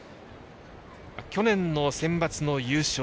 去年のセンバツの優勝